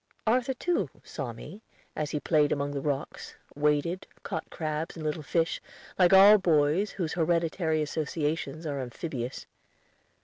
Arthur, too, saw me, as he played among the rocks, waded, caught crabs and little fish, like all boys whose hereditary associations are amphibious.